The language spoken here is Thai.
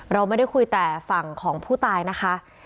เราไม่ได้คุยแต่ฝั่งของผู้ตายนะคะ